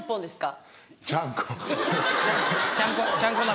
ちゃんこ鍋。